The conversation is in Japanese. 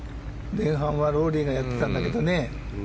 前半はロウリーがやってたんだけどね。